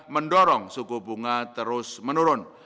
mendorong suku bunga terus menurun